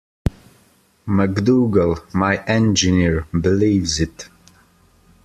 MacDougall, my engineer, believes it.